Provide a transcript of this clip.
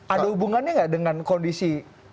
ada hubungannya nggak dengan kondisi